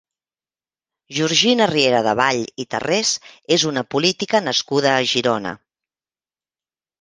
Georgina Rieradevall i Tarrés és una política nascuda a Girona.